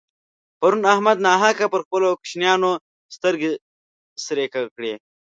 پرون احمد ناحقه پر خپلو کوشنيانو سترګې سرې کړې.